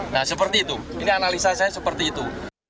nah seperti itu ini analisa saya seperti itu